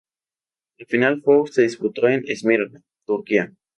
La final four se disputó en Esmirna, Turquía.